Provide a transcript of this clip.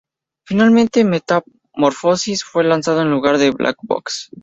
Finalmente "Metamorphosis" fue lanzado en lugar de "Black Box".